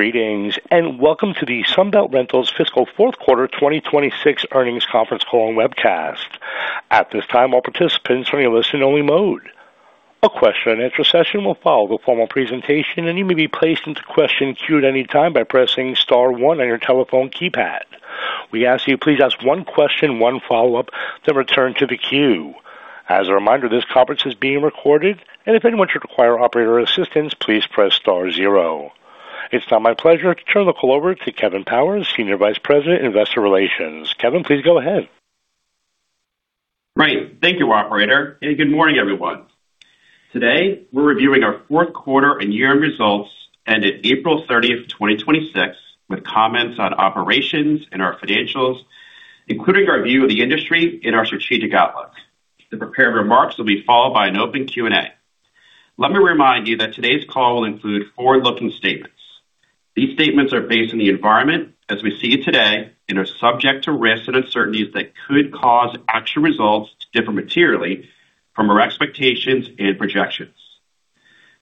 Greetings. Welcome to the Sunbelt Rentals Fiscal Fourth Quarter 2026 Earnings Conference Call and Webcast. At this time, all participants are in a listen-only mode. A question and answer session will follow the formal presentation. You may be placed into question queue at any time by pressing star one on your telephone keypad. We ask that you please ask one question, one follow-up, then return to the queue. As a reminder, this conference is being recorded. If anyone should require operator assistance, please press star zero. It's now my pleasure to turn the call over to Kevin Powers, Senior Vice President, Investor Relations. Kevin, please go ahead. Great. Thank you, operator. Good morning, everyone. Today, we're reviewing our fourth quarter and year-end results ended April 30th, 2026, with comments on operations and our financials, including our view of the industry and our strategic outlook. The prepared remarks will be followed by an open Q&A. Let me remind you that today's call will include forward-looking statements. These statements are based on the environment as we see it today and are subject to risks and uncertainties that could cause actual results to differ materially from our expectations and projections.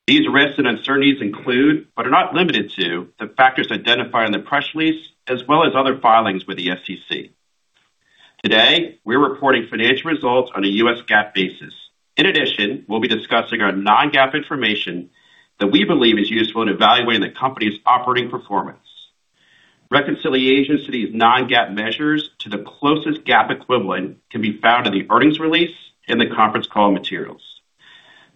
These risks and uncertainties include, but are not limited to, the factors identified in the press release, as well as other filings with the S.E.C. Today, we're reporting financial results on a U.S. GAAP basis. In addition, we'll be discussing our non-GAAP information that we believe is useful in evaluating the company's operating performance. Reconciliations to these non-GAAP measures to the closest GAAP equivalent can be found in the earnings release in the conference call materials.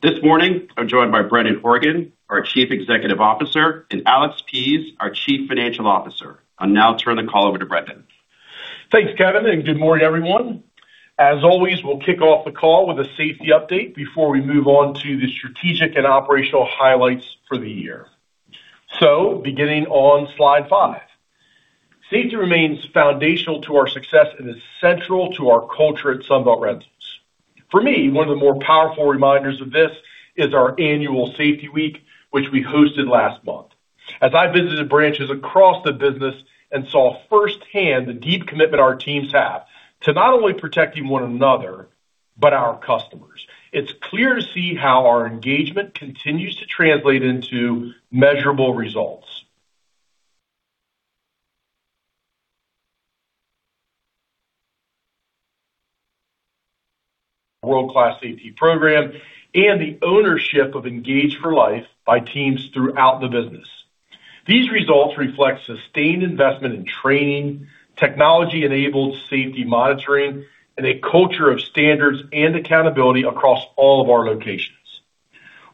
This morning, I'm joined by Brendan Horgan, our Chief Executive Officer, and Alex Pease, our Chief Financial Officer. I'll now turn the call over to Brendan. Thanks, Kevin. Good morning, everyone. As always, we'll kick off the call with a safety update before we move on to the strategic and operational highlights for the year. Beginning on slide five. Safety remains foundational to our success and is central to our culture at Sunbelt Rentals. For me, one of the more powerful reminders of this is our annual safety week, which we hosted last month. As I visited branches across the business and saw firsthand the deep commitment our teams have to not only protecting one another, but our customers. It's clear to see how our engagement continues to translate into measurable results. World-class safety program and the ownership of Engage for Life by teams throughout the business. These results reflect sustained investment in training, technology-enabled safety monitoring, and a culture of standards and accountability across all of our locations.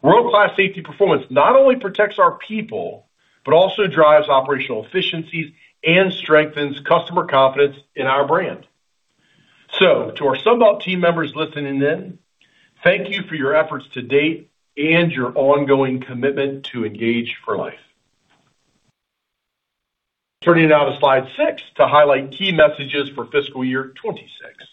World-class safety performance not only protects our people, but also drives operational efficiencies and strengthens customer confidence in our brand. To our Sunbelt team members listening in, thank you for your efforts to date and your ongoing commitment to Engage for Life. Turning now to slide six to highlight key messages for fiscal year 2026.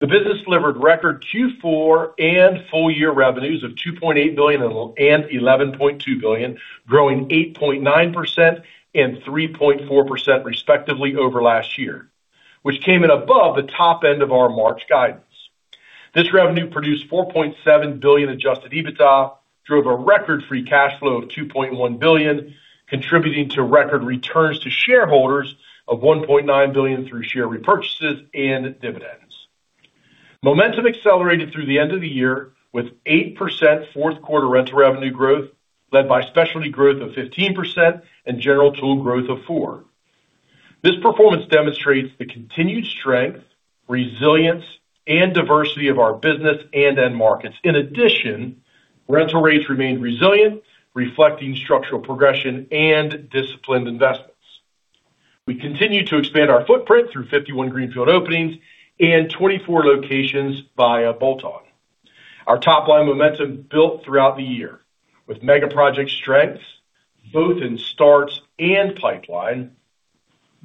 The business delivered record Q4 and full-year revenues of $2.8 billion and $11.2 billion, growing 8.9% and 3.4% respectively over last year, which came in above the top end of our March guidance. This revenue produced $4.7 billion adjusted EBITDA, drove a record free cash flow of $2.1 billion, contributing to record returns to shareholders of $1.9 billion through share repurchases and dividends. Momentum accelerated through the end of the year with 8% fourth quarter rental revenue growth, led by specialty growth of 15% and general tool growth of 4%. This performance demonstrates the continued strength, resilience, and diversity of our business and end markets. In addition, rental rates remained resilient, reflecting structural progression and disciplined investments. We continued to expand our footprint through 51 greenfield openings and 24 locations via bolt-on. Our top-line momentum built throughout the year with mega-project strengths, both in starts and pipeline,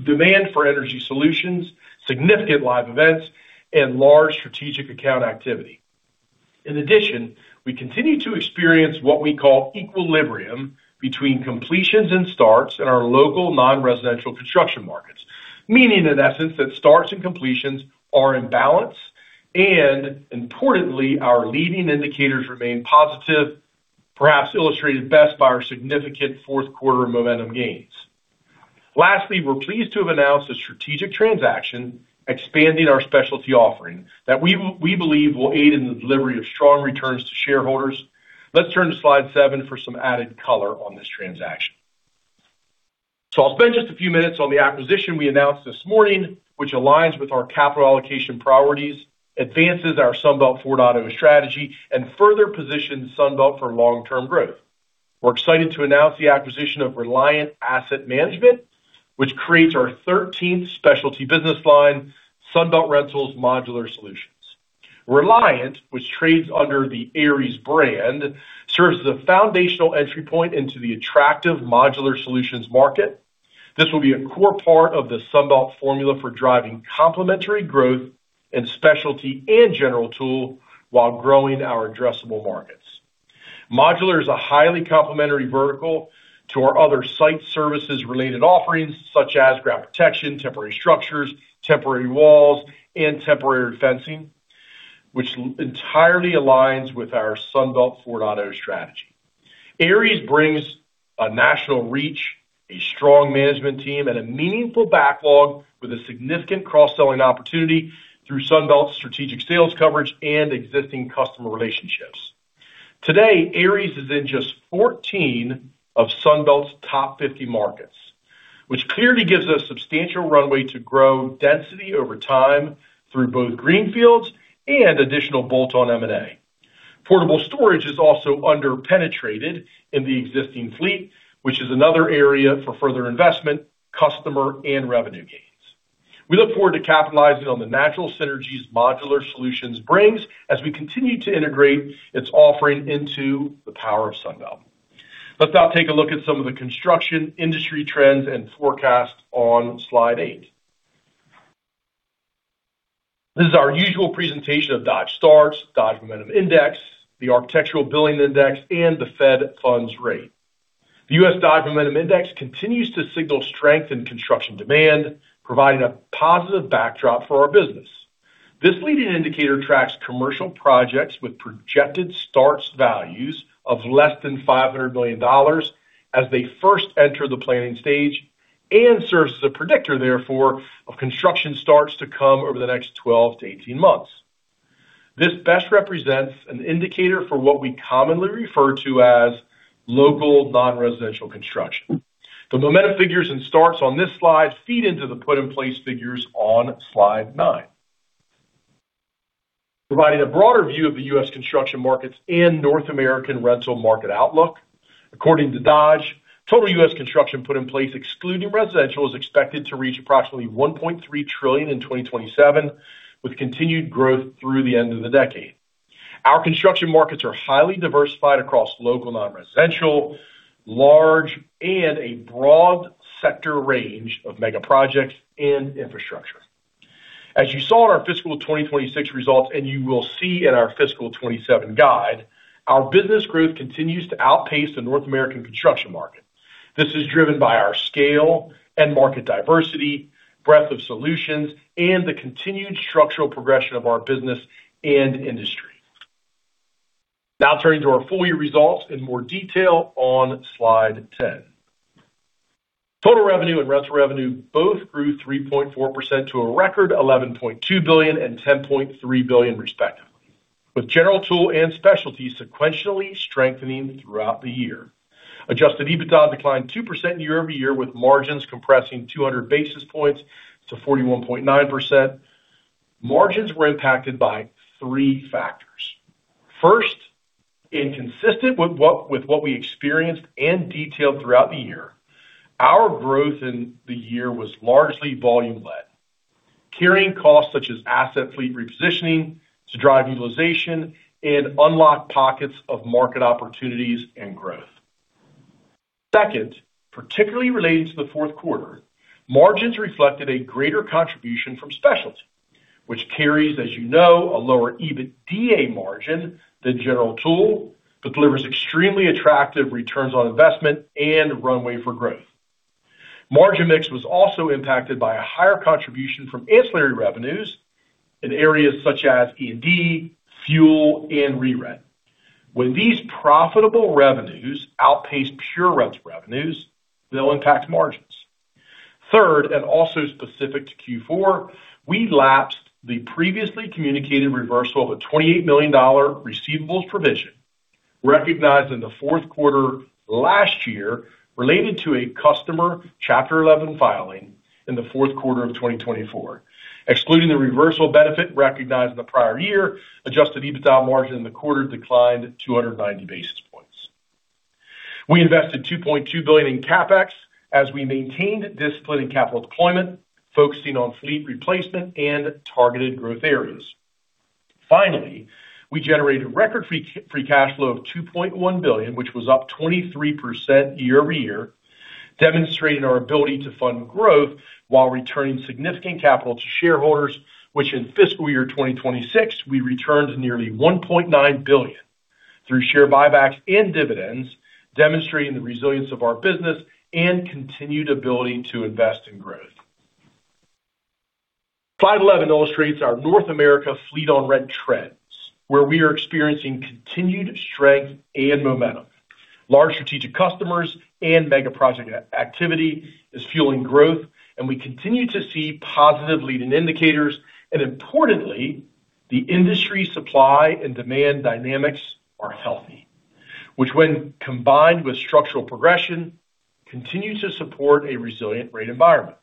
demand for energy solutions, significant live events, and large strategic account activity. In addition, we continue to experience what we call equilibrium between completions and starts in our local non-residential construction markets, meaning in essence that starts and completions are in balance, and importantly, our leading indicators remain positive, perhaps illustrated best by our significant fourth quarter momentum gains. Lastly, we're pleased to have announced a strategic transaction expanding our specialty offering that we believe will aid in the delivery of strong returns to shareholders. Let's turn to slide seven for some added color on this transaction. I'll spend just a few minutes on the acquisition we announced this morning, which aligns with our capital allocation priorities, advances our Sunbelt 4.0 strategy, and further positions Sunbelt for long-term growth. We're excited to announce the acquisition of Reliant Asset Management, which creates our 13th specialty business line, Sunbelt Rentals Modular Solutions. Reliant, which trades under the Aries brand, serves as a foundational entry point into the attractive modular solutions market. This will be a core part of the Sunbelt formula for driving complementary growth in specialty and general tool while growing our addressable markets. Modular is a highly complementary vertical to our other site services related offerings such as ground protection, temporary structures, temporary walls, and temporary fencing. Which entirely aligns with our Sunbelt 4.0 strategy. Aries brings a national reach, a strong management team, and a meaningful backlog with a significant cross-selling opportunity through Sunbelt's strategic sales coverage and existing customer relationships. Today, Aries is in just 14 of Sunbelt's top 50 markets, which clearly gives us substantial runway to grow density over time through both greenfield and additional bolt-on M&A. Portable storage is also under-penetrated in the existing fleet, which is another area for further investment, customer, and revenue gains. We look forward to capitalizing on the natural synergies Modular Solutions brings as we continue to integrate its offering into the power of Sunbelt. Let's now take a look at some of the construction industry trends and forecasts on slide eight. This is our usual presentation of Dodge starts, Dodge Momentum Index, the Architecture Billings Index, and the Fed funds rate. The U.S. Dodge Momentum Index continues to signal strength in construction demand, providing a positive backdrop for our business. This leading indicator tracks commercial projects with projected starts values of less than $500 million as they first enter the planning stage and serves as a predictor therefore of construction starts to come over the next 12-18 months. This best represents an indicator for what we commonly refer to as local non-residential construction. The momentum figures and starts on this slide feed into the put in place figures on slide nine. Providing a broader view of the U.S. construction markets and North American rental market outlook. According to Dodge, total U.S. construction put in place, excluding residential, is expected to reach approximately $1.3 trillion in 2027, with continued growth through the end of the decade. Our construction markets are highly diversified across local, non-residential, large, and a broad sector range of mega projects and infrastructure. As you saw in our fiscal 2026 results, and you will see in our fiscal 2027 guide, our business growth continues to outpace the North American construction market. This is driven by our scale and market diversity, breadth of solutions, and the continued structural progression of our business and industry. Turning to our full year results in more detail on slide 10. Total revenue and rental revenue both grew 3.4% to a record $11.2 billion and $10.3 billion respectively, with general tool and specialty sequentially strengthening throughout the year. Adjusted EBITDA declined 2% year-over-year, with margins compressing 200 basis points to 41.9%. Margins were impacted by three factors. First, inconsistent with what we experienced and detailed throughout the year, our growth in the year was largely volume led. Carrying costs such as asset fleet repositioning to drive utilization and unlock pockets of market opportunities and growth. Second, particularly related to the fourth quarter, margins reflected a greater contribution from specialty, which carries, as you know, a lower EBITDA margin than general tool, but delivers extremely attractive returns on investment and runway for growth. Margin mix was also impacted by a higher contribution from ancillary revenues in areas such as E&D, fuel, and re-rent. When these profitable revenues outpace pure rents revenues, they'll impact margins. Third, also specific to Q4, we lapsed the previously communicated reversal of a $28 million receivables provision recognized in the fourth quarter last year related to a customer Chapter 11 filing in the fourth quarter of 2024. Excluding the reversal benefit recognized in the prior year, adjusted EBITDA margin in the quarter declined 290 basis points. We invested $2.2 billion in CapEx as we maintained discipline in capital deployment, focusing on fleet replacement and targeted growth areas. We generated record free cash flow of $2.1 billion, which was up 23% year-over-year, demonstrating our ability to fund growth while returning significant capital to shareholders, which in fiscal year 2026, we returned nearly $1.9 billion through share buybacks and dividends, demonstrating the resilience of our business and continued ability to invest in growth. Slide 11 illustrates our North America fleet on rent trends, where we are experiencing continued strength and momentum. Large strategic customers and mega-project activity is fueling growth, we continue to see positive leading indicators, importantly, the industry supply and demand dynamics are healthy. Which when combined with structural progression, continue to support a resilient rate environment.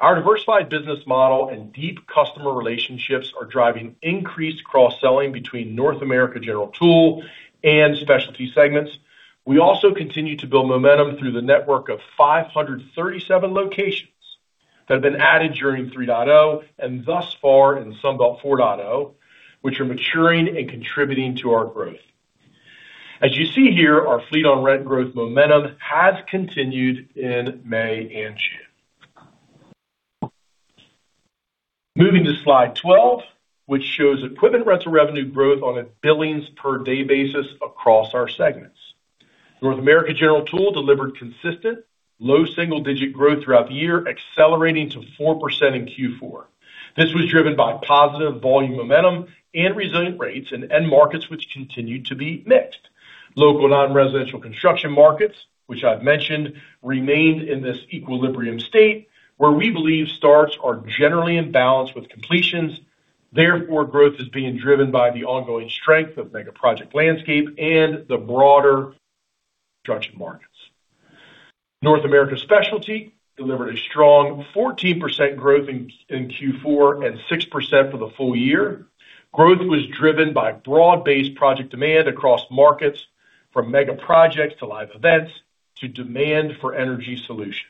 Our diversified business model and deep customer relationships are driving increased cross-selling between North America General Tool and Specialty segments. We also continue to build momentum through the network of 537 locations that have been added during Sunbelt 3.0 and thus far in Sunbelt 4.0, which are maturing and contributing to our growth. As you see here, our fleet on rent growth momentum has continued in May and June. Moving to slide 12, which shows equipment rental revenue growth on a billings per day basis across our segments. North America General Tool delivered consistent low single-digit growth throughout the year, accelerating to 4% in Q4. This was driven by positive volume momentum and resilient rates in end markets, which continued to be mixed. Local non-residential construction markets, which I've mentioned, remained in this equilibrium state where we believe starts are generally in balance with completions. Therefore, growth is being driven by the ongoing strength of mega project landscape and the broader construction markets. North America Specialty delivered a strong 14% growth in Q4 and 6% for the full year. Growth was driven by broad-based project demand across markets, from mega projects to live events to demand for energy solutions.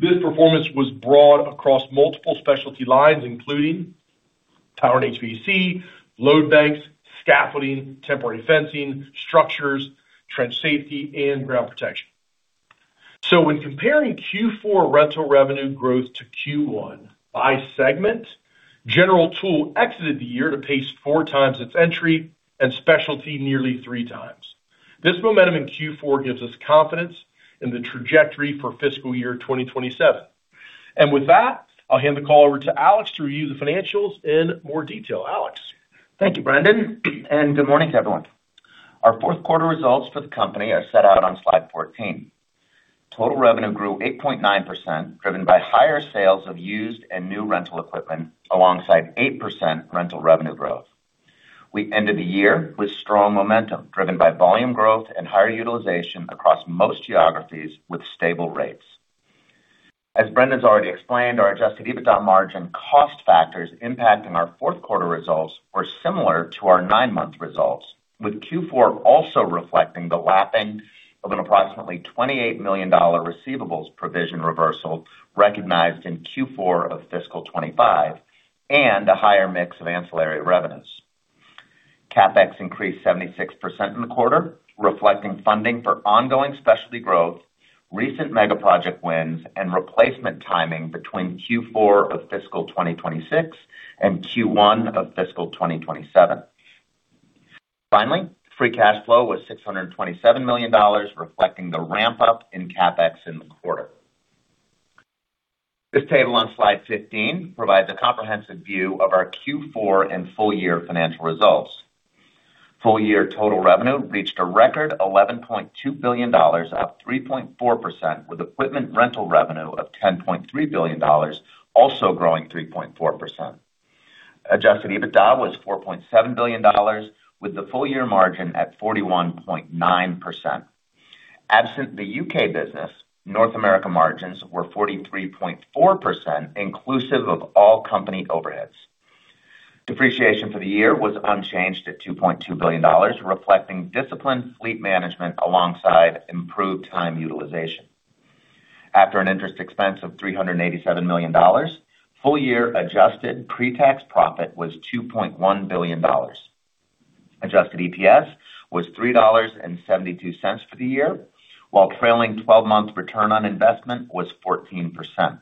This performance was broad across multiple specialty lines, including power and HVAC, load banks, scaffolding, temporary fencing, structures, trench safety, and ground protection. When comparing Q4 rental revenue growth to Q1 by segment, General Tool exited the year to pace four times its entry and Specialty nearly three times. This momentum in Q4 gives us confidence in the trajectory for fiscal year 2027. With that, I'll hand the call over to Alex to review the financials in more detail. Alex? Thank you, Brendan. Good morning to everyone. Our fourth quarter results for the company are set out on slide 14. Total revenue grew 8.9%, driven by higher sales of used and new rental equipment, alongside 8% rental revenue growth. We ended the year with strong momentum, driven by volume growth and higher utilization across most geographies with stable rates. As Brendan's already explained, our adjusted EBITDA margin cost factors impacting our fourth quarter results were similar to our nine-month results, with Q4 also reflecting the lapping of an approximately $28 million receivables provision reversal recognized in Q4 of fiscal 2025 and a higher mix of ancillary revenues. CapEx increased 76% in the quarter, reflecting funding for ongoing specialty growth, recent mega-project wins, and replacement timing between Q4 of fiscal 2026 and Q1 of fiscal 2027. Finally, free cash flow was $627 million, reflecting the ramp-up in CapEx in the quarter. This table on slide 15 provides a comprehensive view of our Q4 and full year financial results. Full year total revenue reached a record $11.2 billion, up 3.4%, with equipment rental revenue of $10.3 billion, also growing 3.4%. Adjusted EBITDA was $4.7 billion, with the full-year margin at 41.9%. Absent the U.K. business, North America margins were 43.4%, inclusive of all company overheads. Depreciation for the year was unchanged at $2.2 billion, reflecting disciplined fleet management alongside improved time utilization. After an interest expense of $387 million, full-year adjusted pre-tax profit was $2.1 billion. Adjusted EPS was $3.72 for the year, while trailing 12-month return on investment was 14%.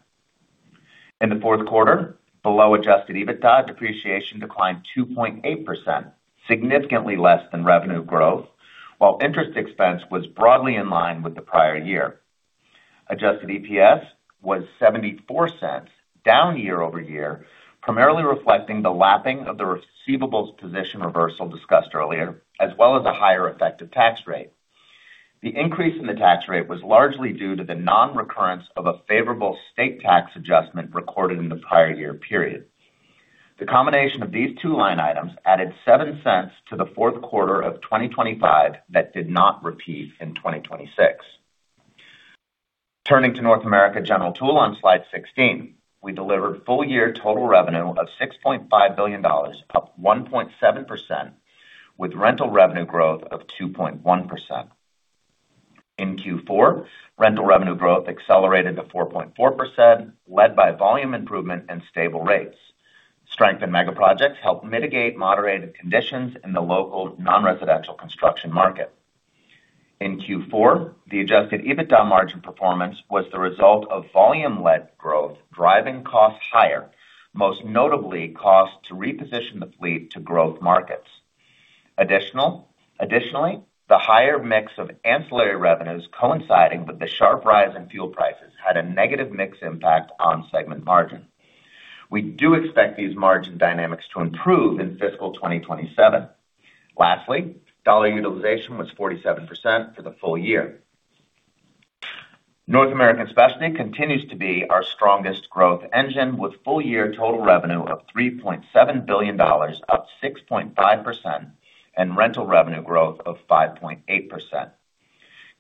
In the fourth quarter, below adjusted EBITDA, depreciation declined 2.8%, significantly less than revenue growth, while interest expense was broadly in line with the prior year. Adjusted EPS was $0.74, down year-over-year, primarily reflecting the lapping of the receivables position reversal discussed earlier, as well as a higher effective tax rate. The increase in the tax rate was largely due to the non-recurrence of a favorable state tax adjustment recorded in the prior year period. The combination of these two line items added $0.07 to the fourth quarter of 2025 that did not repeat in 2026. Turning to North America General Tool on slide 16, we delivered full-year total revenue of $6.5 billion, up 1.7%, with rental revenue growth of 2.1%. In Q4, rental revenue growth accelerated to 4.4%, led by volume improvement and stable rates. Strength in mega projects helped mitigate moderated conditions in the local non-residential construction market. In Q4, the adjusted EBITDA margin performance was the result of volume-led growth driving costs higher, most notably costs to reposition the fleet to growth markets. Additionally, the higher mix of ancillary revenues coinciding with the sharp rise in fuel prices had a negative mix impact on segment margin. We do expect these margin dynamics to improve in fiscal 2027. Lastly, dollar utilization was 47% for the full year. North American Specialty continues to be our strongest growth engine, with full-year total revenue of $3.7 billion, up 6.5%, and rental revenue growth of 5.8%.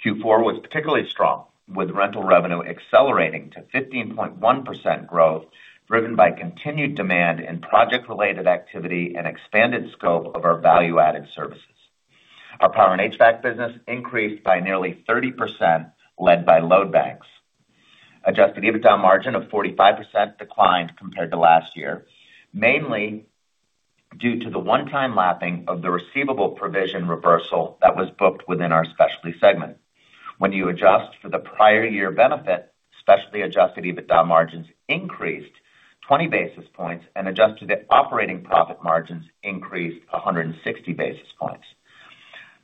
Q4 was particularly strong, with rental revenue accelerating to 15.1% growth, driven by continued demand in project-related activity and expanded scope of our value-added services. Our power and HVAC business increased by nearly 30%, led by load banks. Adjusted EBITDA margin of 45% declined compared to last year, mainly due to the one-time lapping of the receivable provision reversal that was booked within our Specialty segment. When you adjust for the prior year benefit, Specialty adjusted EBITDA margins increased 20 basis points and adjusted operating profit margins increased 160 basis points.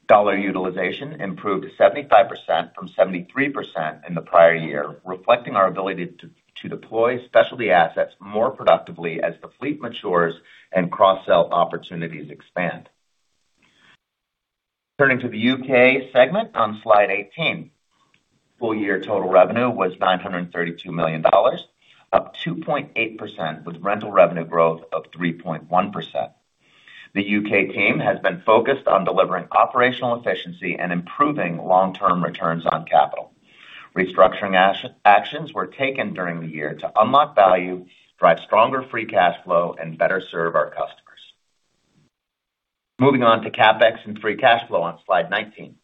Dollar utilization improved 75% from 73% in the prior year, reflecting our ability to deploy Specialty assets more productively as the fleet matures and cross-sell opportunities expand. Turning to the U.K. segment on slide 18. Full-year total revenue was $932 million, up 2.8%, with rental revenue growth of 3.1%. The U.K. team has been focused on delivering operational efficiency and improving long-term returns on capital. Restructuring actions were taken during the year to unlock value, drive stronger free cash flow, and better serve our customers. Moving on to CapEx and free cash flow on slide 19.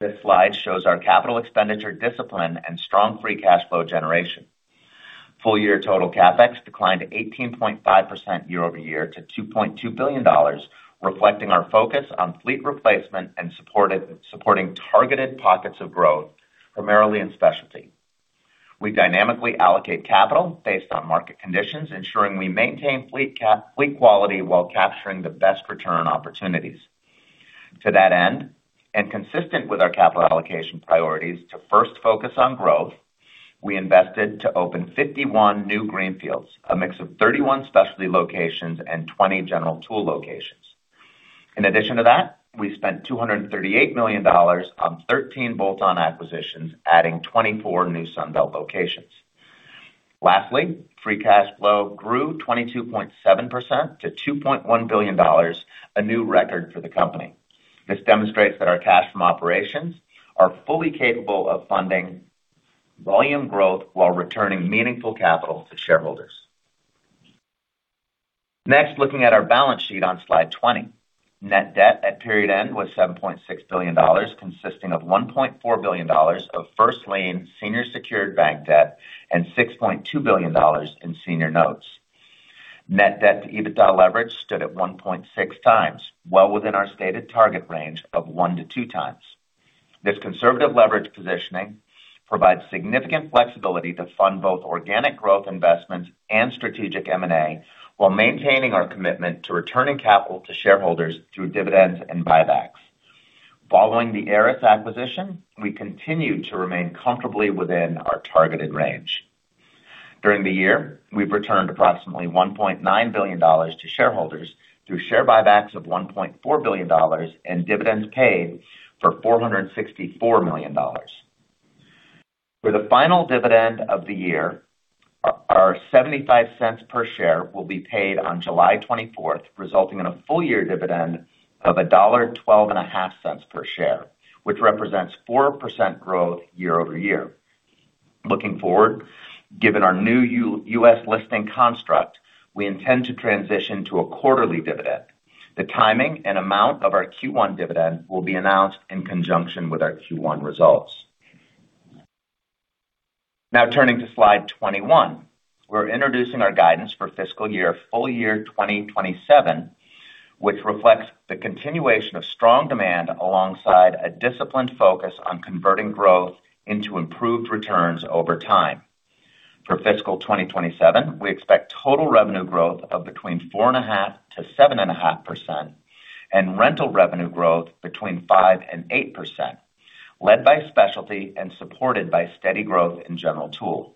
This slide shows our capital expenditure discipline and strong free cash flow generation. Full-year total CapEx declined 18.5% year-over-year to $2.2 billion, reflecting our focus on fleet replacement and supporting targeted pockets of growth, primarily in specialty. We dynamically allocate capital based on market conditions, ensuring we maintain fleet quality while capturing the best return opportunities. To that end, consistent with our capital allocation priorities to first focus on growth, we invested to open 51 new greenfield, a mix of 31 specialty locations and 20 general tool locations. In addition to that, we spent $238 million on 13 bolt-on acquisitions, adding 24 new Sunbelt locations. Lastly, free cash flow grew 22.7% to $2.1 billion, a new record for the company. This demonstrates that our cash from operations are fully capable of funding volume growth while returning meaningful capital to shareholders. Next, looking at our balance sheet on slide 20. Net debt at period end was $7.6 billion, consisting of $1.4 billion of first-lien senior secured bank debt and $6.2 billion in senior notes. Net debt to EBITDA leverage stood at 1.6 times, well within our stated target range of one to two times. This conservative leverage positioning provides significant flexibility to fund both organic growth investments and strategic M&A while maintaining our commitment to returning capital to shareholders through dividends and buybacks. Following the Aries acquisition, we continue to remain comfortably within our targeted range. During the year, we've returned approximately $1.9 billion to shareholders through share buybacks of $1.4 billion and dividends paid for $464 million. For the final dividend of the year, our $0.75 per share will be paid on July 24th, resulting in a full-year dividend of $1.125 per share, which represents 4% growth year-over-year. Looking forward, given our new U.S. listing construct, we intend to transition to a quarterly dividend. The timing and amount of our Q1 dividend will be announced in conjunction with our Q1 results. Now turning to slide 21. We're introducing our guidance for fiscal year full year 2027, which reflects the continuation of strong demand alongside a disciplined focus on converting growth into improved returns over time. For fiscal 2027, we expect total revenue growth of between 4.5%-7.5% and rental revenue growth between 5%-8%, led by specialty and supported by steady growth in general tool.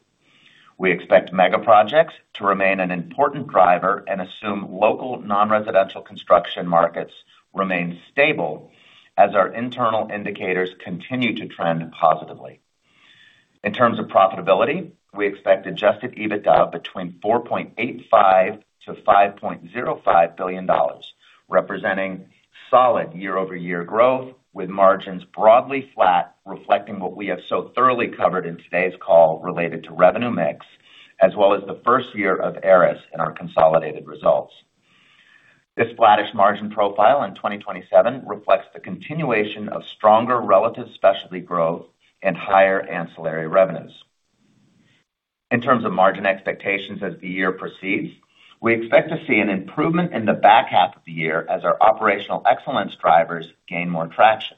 We expect mega projects to remain an important driver and assume local non-residential construction markets remain stable as our internal indicators continue to trend positively. In terms of profitability, we expect adjusted EBITDA between $4.85 billion-$5.05 billion, representing solid year-over-year growth with margins broadly flat, reflecting what we have so thoroughly covered in today's call related to revenue mix, as well as the first year of Aries in our consolidated results. This flattish margin profile in 2027 reflects the continuation of stronger relative specialty growth and higher ancillary revenues. In terms of margin expectations as the year proceeds, we expect to see an improvement in the back half of the year as our operational excellence drivers gain more traction.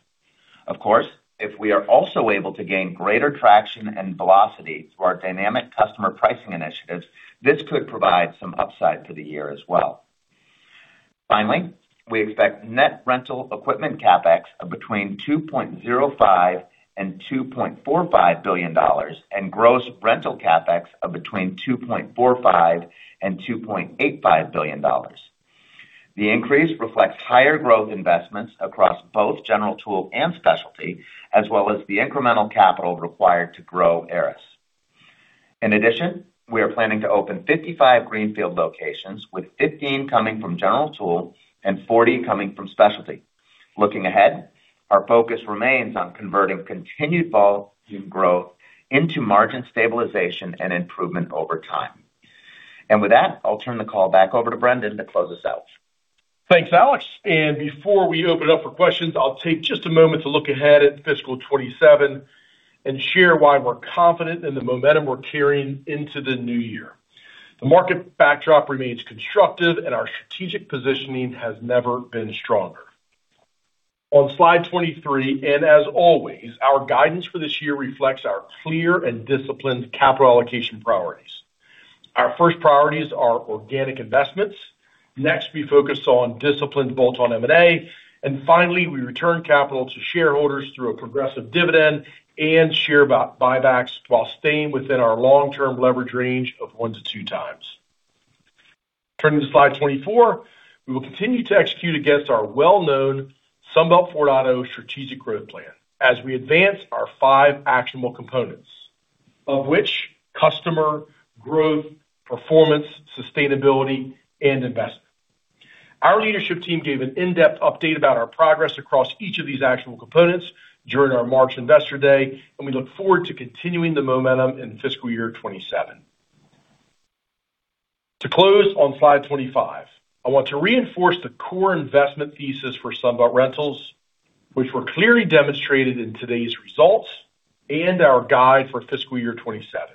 Of course, if we are also able to gain greater traction and velocity through our dynamic customer pricing initiatives, this could provide some upside for the year as well. Finally, we expect net rental equipment CapEx of between $2.05 billion-$2.45 billion and gross rental CapEx of between $2.45 billion-$2.85 billion. The increase reflects higher growth investments across both general tool and specialty, as well as the incremental capital required to grow Aries. In addition, we are planning to open 55 greenfield locations, with 15 coming from general tool and 40 coming from specialty. Looking ahead, our focus remains on converting continued volume growth into margin stabilization and improvement over time. With that, I'll turn the call back over to Brendan to close us out. Thanks, Alex. Before we open up for questions, I'll take just a moment to look ahead at fiscal 2027 and share why we're confident in the momentum we're carrying into the new year. The market backdrop remains constructive, and our strategic positioning has never been stronger. On slide 23, as always, our guidance for this year reflects our clear and disciplined capital allocation priorities. Our first priorities are organic investments. Next, we focus on disciplined bolt-on M&A, and finally, we return capital to shareholders through a progressive dividend and share buybacks while staying within our long-term leverage range of one to two times. Turning to slide 24. We will continue to execute against our well-known Sunbelt 4.0 strategic growth plan as we advance our five actionable components, of which customer growth, performance, sustainability and investment. Our leadership team gave an in-depth update about our progress across each of these actionable components during our March Investor Day, and we look forward to continuing the momentum in fiscal year 2027. To close on slide 25, I want to reinforce the core investment thesis for Sunbelt Rentals, which were clearly demonstrated in today's results and our guide for fiscal year 2027.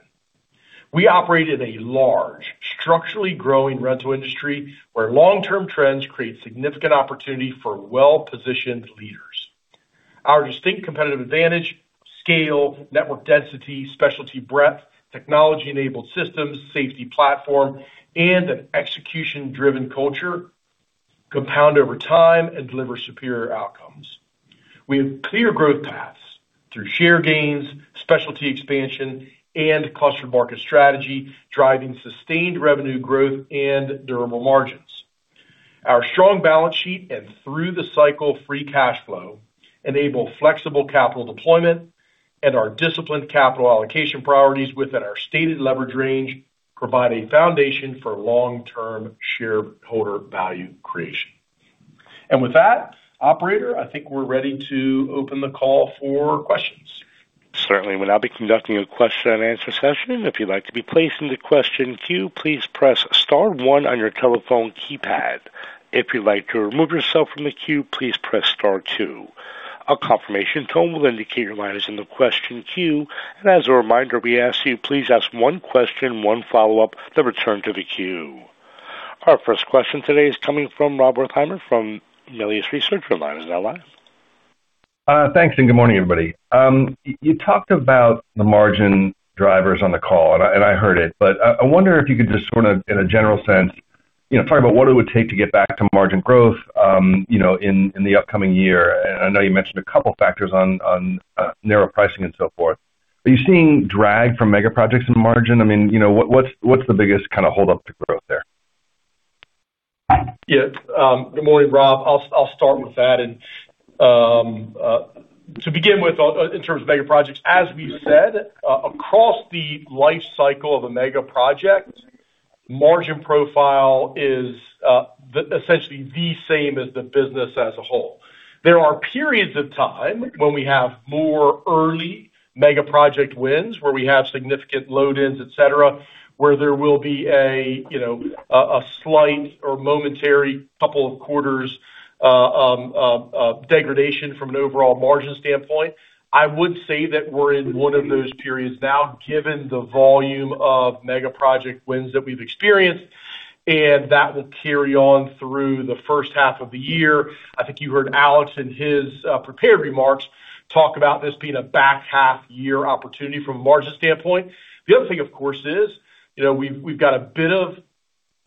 We operate in a large, structurally growing rental industry where long-term trends create significant opportunity for well-positioned leaders. Our distinct competitive advantage, scale, network density, specialty breadth, technology-enabled systems, safety platform, and an execution-driven culture compound over time and deliver superior outcomes. We have clear growth paths through share gains, specialty expansion and cluster market strategy, driving sustained revenue growth and durable margins. Our strong balance sheet and through-the-cycle free cash flow enable flexible capital deployment and our disciplined capital allocation priorities within our stated leverage range provide a foundation for long-term shareholder value creation. With that, operator, I think we're ready to open the call for questions. Certainly. We'll now be conducting a question and answer session. If you'd like to be placed in the question queue, please press star one on your telephone keypad. If you'd like to remove yourself from the queue, please press star two. A confirmation tone will indicate your line is in the question queue. As a reminder, we ask you, please ask one question, one follow-up, then return to the queue. Our first question today is coming from Rob Wertheimer from Melius Research. Your line is now live. Thanks, good morning, everybody. You talked about the margin drivers on the call, I heard it, but I wonder if you could just sort of, in a general sense, talk about what it would take to get back to margin growth in the upcoming year. I know you mentioned a couple factors on narrow pricing and so forth. Are you seeing drag from mega projects in margin? What's the biggest kind of hold up to growth there? Yeah. Good morning, Rob. I'll start with that. To begin with, in terms of mega projects, as we said, across the life cycle of a mega project, margin profile is essentially the same as the business as a whole. There are periods of time when we have more early mega project wins, where we have significant load-ins, et cetera, where there will be a slight or momentary couple of quarters degradation from an overall margin standpoint. I would say that we're in one of those periods now, given the volume of mega project wins that we've experienced, that will carry on through the first half of the year. I think you heard Alex in his prepared remarks talk about this being a back half year opportunity from a margin standpoint. The other thing, of course, is we've got a bit of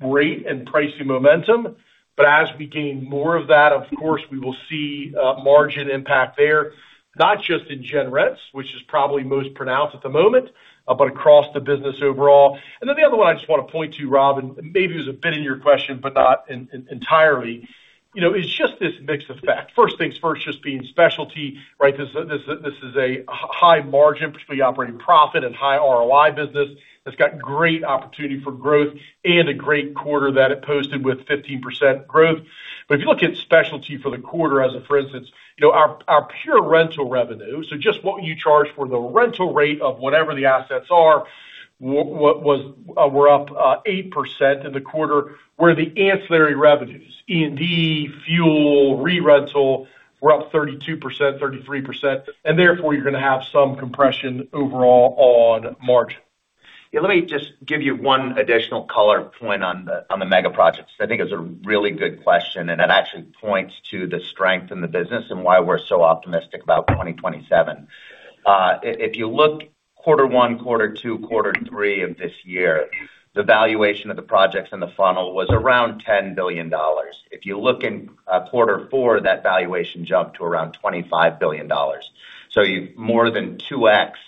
rate and pricing momentum, as we gain more of that, of course, we will see margin impact there, not just in Gen Rents, which is probably most pronounced at the moment, across the business overall. Then the other one I just want to point to, Rob, maybe it was a bit in your question, not entirely, is just this mix effect. First things first, just being specialty, right? This is a high margin, particularly operating profit and high ROI business. It's got great opportunity for growth and a great quarter that it posted with 15% growth. If you look at specialty for the quarter as a, for instance, our pure rental revenue, so just what you charge for the rental rate of whatever the assets are, we're up 8% in the quarter. Where the ancillary revenues, E&D, fuel, re-rental, we're up 32%, 33%, and therefore you're going to have some compression overall on margin. Yeah, let me just give you one additional color point on the mega projects. I think it's a really good question, and it actually points to the strength in the business and why we're so optimistic about 2027. If you look quarter one, quarter two, quarter three of this year, the valuation of the projects in the funnel was around $10 billion. If you look in quarter four, that valuation jumped to around $25 billion. You've more than two x-ed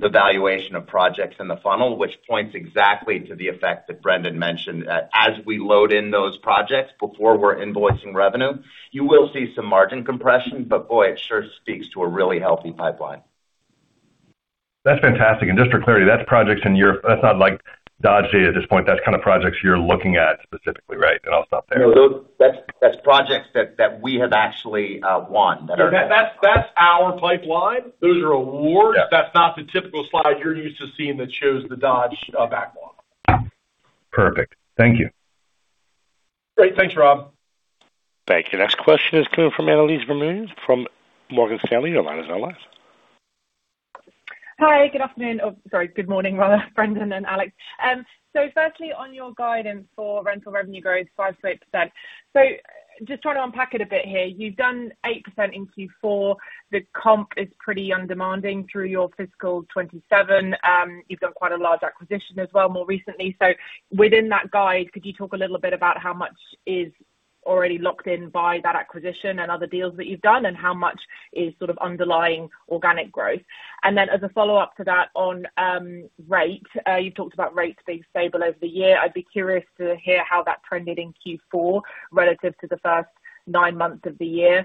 the valuation of projects in the funnel, which points exactly to the effect that Brendan mentioned. That as we load in those projects before we're invoicing revenue, you will see some margin compression. Boy, it sure speaks to a really healthy pipeline. That's fantastic. Just for clarity, that's projects. That's not like Dodge data at this point. That's kind of projects you're looking at specifically, right? I'll stop there. No, that's projects that we have actually won. That's our pipeline. Those are awards. Yeah. That's not the typical slide you're used to seeing that shows the Dodge backlog. Perfect. Thank you. Great. Thanks, Rob. Thank you. Next question is coming from Annelies Vermeulen from Morgan Stanley. Your line is now live. Hi. Good afternoon. Oh, sorry. Good morning rather, Brendan and Alex. Firstly, on your guidance for rental revenue growth, 5%-8%. Just trying to unpack it a bit here. You've done 8% in Q4. The comp is pretty undemanding through your fiscal 2027. You've done quite a large acquisition as well more recently. Within that guide, could you talk a little bit about how much is already locked in by that acquisition and other deals that you've done, and how much is sort of underlying organic growth? As a follow-up to that on rate, you've talked about rates being stable over the year. I'd be curious to hear how that trended in Q4 relative to the first nine months of the year,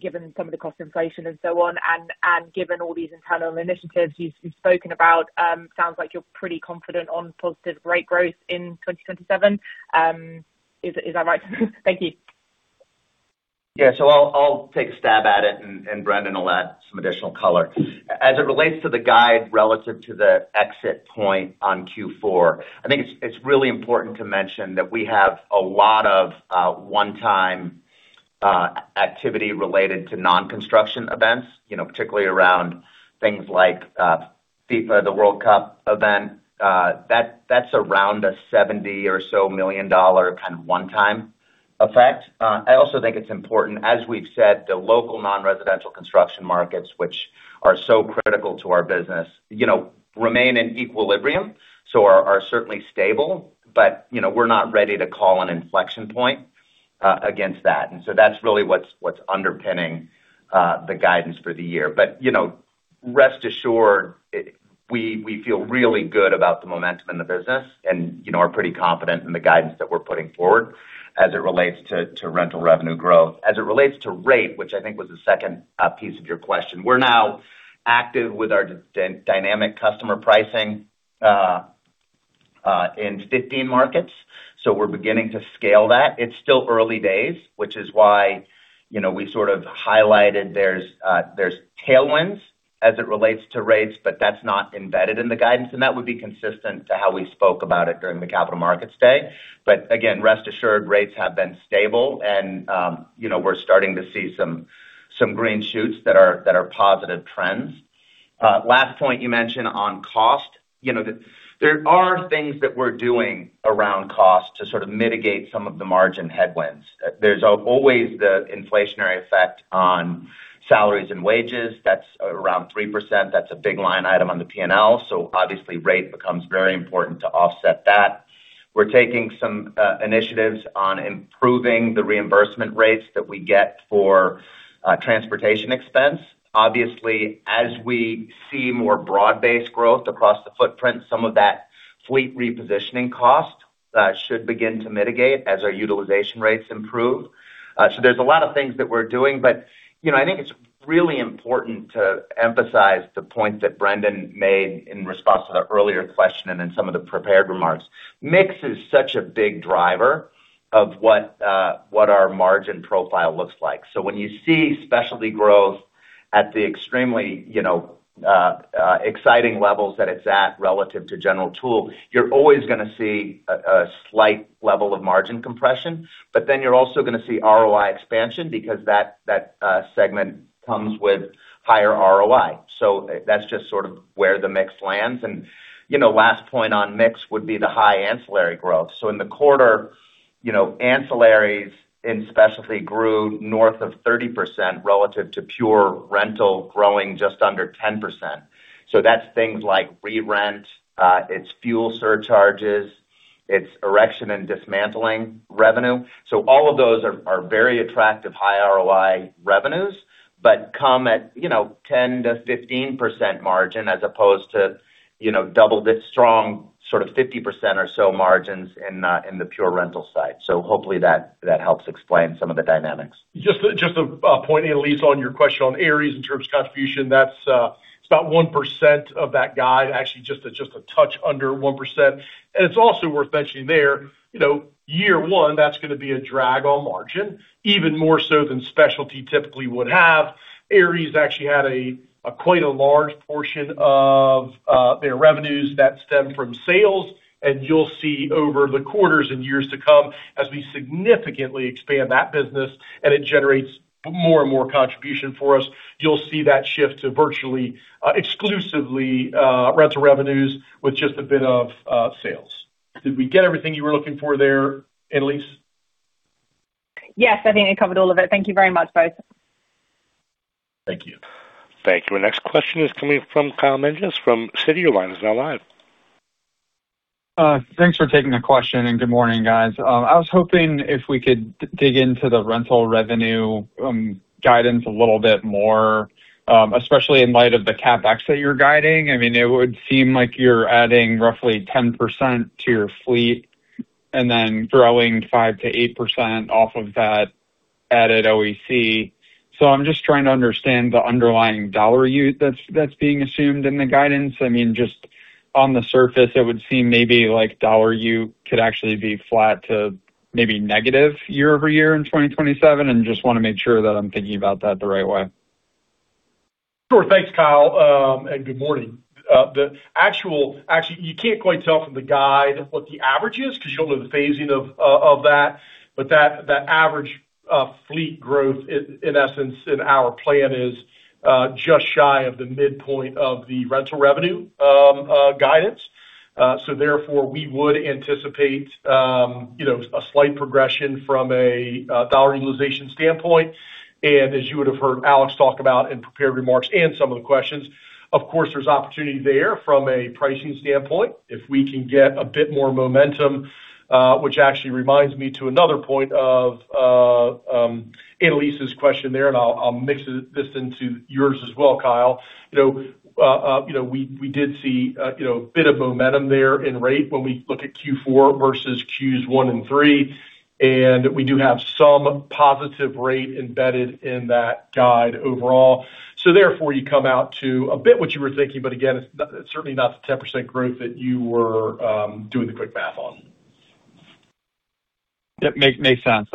given some of the cost inflation and so on, and given all these internal initiatives you've spoken about, sounds like you're pretty confident on positive rate growth in 2027. Is that right? Thank you. Yeah. I'll take a stab at it, and Brendan will add some additional color. As it relates to the guide relative to the exit point on Q4, I think it's really important to mention that we have a lot of one-time activity related to non-construction events, particularly around things like FIFA, the World Cup event. That's around a $70 or so million kind of one-time effect. I also think it's important, as we've said, the local non-residential construction markets, which are so critical to our business, remain in equilibrium, so are certainly stable but we're not ready to call an inflection point against that. That's really what's underpinning the guidance for the year. Rest assured, we feel really good about the momentum in the business and are pretty confident in the guidance that we're putting forward as it relates to rental revenue growth. As it relates to rate, which I think was the second piece of your question, we're now active with our dynamic customer pricing in 15 markets, we're beginning to scale that. It's still early days, which is why we sort of highlighted there's tailwinds as it relates to rates, that's not embedded in the guidance, that would be consistent to how we spoke about it during the Capital Markets Day. Again, rest assured, rates have been stable and we're starting to see some green shoots that are positive trends. Last point you mentioned on cost. There are things that we're doing around cost to sort of mitigate some of the margin headwinds. There's always the inflationary effect on salaries and wages. That's around 3%. That's a big line item on the P&L, obviously rate becomes very important to offset that. We're taking some initiatives on improving the reimbursement rates that we get for transportation expense. Obviously, as we see more broad-based growth across the footprint, some of that fleet repositioning cost should begin to mitigate as our utilization rates improve. There's a lot of things that we're doing, I think it's really important to emphasize the point that Brendan made in response to the earlier question and in some of the prepared remarks. Mix is such a big driver of what our margin profile looks like. When you see specialty growth at the extremely exciting levels that it's at relative to general tool, you're always going to see a slight level of margin compression, you're also going to see ROI expansion because that segment comes with higher ROI. That's just sort of where the mix lands. Last point on mix would be the high ancillary growth. In the quarter, ancillaries in specialty grew north of 30% relative to pure rental growing just under 10%. That's things like re-rent. It's fuel surcharges. It's erection and dismantling revenue. All of those are very attractive high ROI revenues, come at 10%-15% margin as opposed to double-digit strong, sort of 50% or so margins in the pure rental side. Hopefully that helps explain some of the dynamics. Just a point, Annelies, on your question on Aries in terms of contribution. It's about 1% of that guide. Actually, just a touch under 1%. It's also worth mentioning there, year one, that's going to be a drag on margin, even more so than specialty typically would have. Aries actually had quite a large portion of their revenues that stemmed from sales, you'll see over the quarters and years to come, as we significantly expand that business and it generates more and more contribution for us, you'll see that shift to virtually exclusively rental revenues with just a bit of sales. Did we get everything you were looking for there, Annelies? Yes. I think you covered all of it. Thank you very much, guys. Thank you. Thank you. Our next question is coming from Kyle Menges from Citi. Your line is now live. Thanks for taking the question. Good morning, guys. I was hoping if we could dig into the rental revenue guidance a little bit more, especially in light of the CapEx that you're guiding. It would seem like you're adding roughly 10% to your fleet and then throwing 5%-8% off of that added OEC. I'm just trying to understand the underlying dollar use that's being assumed in the guidance. On the surface, it would seem maybe like dollar use could actually be flat to maybe negative year-over-year in 2027, and just want to make sure that I'm thinking about that the right way. Sure. Thanks, Kyle. Good morning. Actually, you can't quite tell from the guide what the average is because you don't know the phasing of that. That average fleet growth, in essence, in our plan is just shy of the midpoint of the rental revenue guidance. Therefore, we would anticipate a slight progression from a dollar utilization standpoint. As you would have heard Alex talk about in prepared remarks and some of the questions, of course, there's opportunity there from a pricing standpoint, if we can get a bit more momentum, which actually reminds me to another point of Annelies' question there, and I'll mix this into yours as well, Kyle. We did see a bit of momentum there in rate when we look at Q4 versus Q1 and Q3, and we do have some positive rate embedded in that guide overall. Therefore, you come out to a bit what you were thinking, but again, it's certainly not the 10% growth that you were doing the quick math on. Yeah. Makes sense.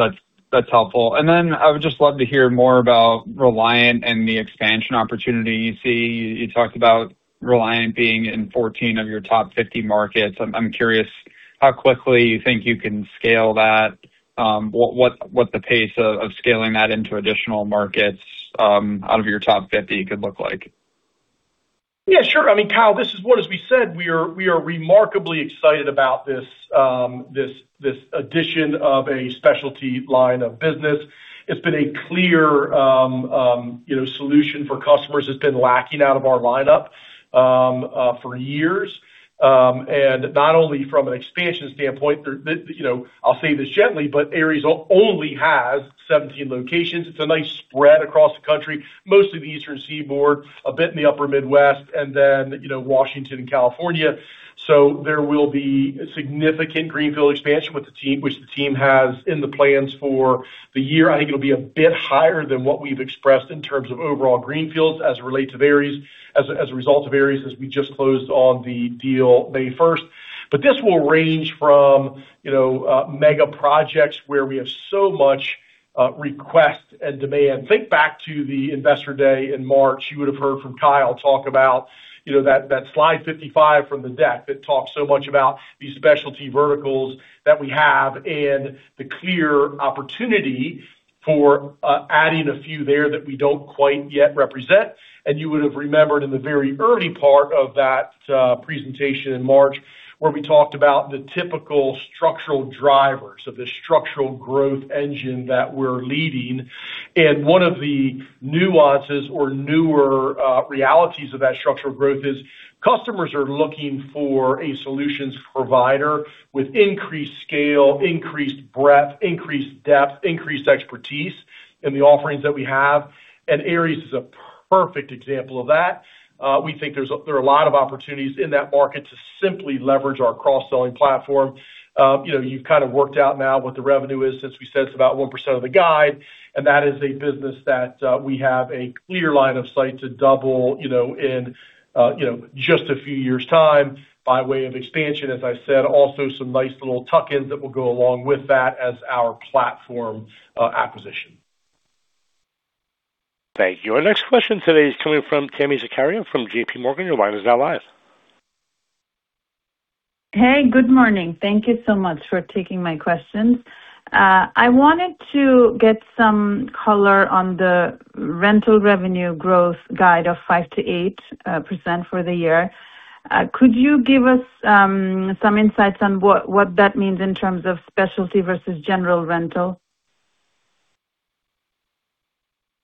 That's helpful. I would just love to hear more about Reliant and the expansion opportunity you see. You talked about Reliant being in 14 of your top 50 markets. I'm curious how quickly you think you can scale that. What the pace of scaling that into additional markets out of your top 50 could look like. Yeah, sure. Kyle, this is what as we said, we are remarkably excited about this addition of a specialty line of business. It's been a clear solution for customers that's been lacking out of our lineup for years. Not only from an expansion standpoint. I'll say this gently, but Aries only has 17 locations. It's a nice spread across the country, mostly the eastern seaboard, a bit in the upper Midwest, and then Washington and California. There will be significant greenfield expansion with the team, which the team has in the plans for the year. I think it'll be a bit higher than what we've expressed in terms of overall greenfield as a result of Aries, as we just closed on the deal May 1st. This will range from mega projects where we have so much request and demand. Think back to the Investor Day in March. You would have heard from Kyle talk about that slide 55 from the deck that talked so much about these specialty verticals that we have and the clear opportunity for adding a few there that we don't quite yet represent. You would have remembered in the very early part of that presentation in March, where we talked about the typical structural drivers of this structural growth engine that we're leading. One of the nuances or newer realities of that structural growth is customers are looking for a solutions provider with increased scale, increased breadth, increased depth, increased expertise in the offerings that we have. Aries is a perfect example of that. We think there are a lot of opportunities in that market to simply leverage our cross-selling platform. You've kind of worked out now what the revenue is since we said it's about 1% of the guide, that is a business that we have a clear line of sight to double in just a few years' time by way of expansion, as I said. Also, some nice little tuck-ins that will go along with that as our platform acquisition. Thank you. Our next question today is coming from Tami Zakaria from JPMorgan. Your line is now live. Hey, good morning. Thank you so much for taking my questions. I wanted to get some color on the rental revenue growth guide of 5%-8% for the year. Could you give us some insights on what that means in terms of specialty versus general rental?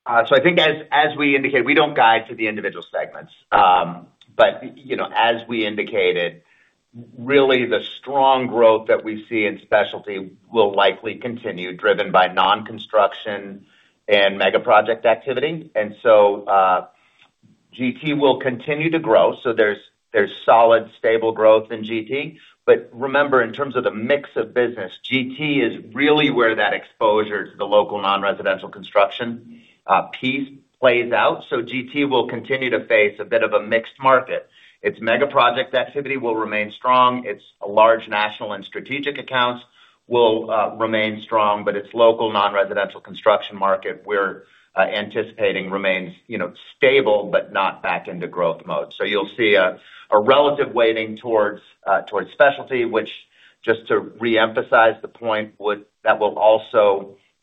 I think as we indicate, we don't guide to the individual segments. As we indicated, really the strong growth that we see in specialty will likely continue, driven by non-construction and mega project activity. GT will continue to grow. There's solid, stable growth in GT. Remember, in terms of the mix of business, GT is really where that exposure to the local non-residential construction piece plays out. GT will continue to face a bit of a mixed market. Its mega project activity will remain strong. Its large national and strategic accounts will remain strong. Its local non-residential construction market, we're anticipating remains stable, but not back into growth mode. You'll see a relative weighting towards specialty, which just to reemphasize the point, that will